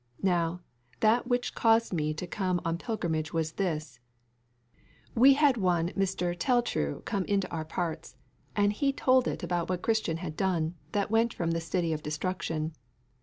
Now, that which caused me to come on pilgrimage was this. We had one Mr. Tell true came into our parts, and he told it about what Christian had done, that went from the City of Destruction.